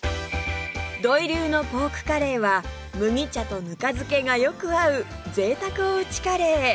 土井流のポークカレーは麦茶とぬか漬けがよく合う贅沢おうちカレー